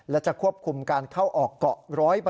และจะควบคุมการเข้าออกเกาะ๑๐๐